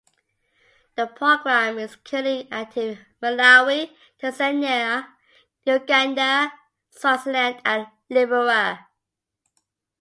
The program is currently active in Malawi, Tanzania, Uganda, Swaziland, and Liberia.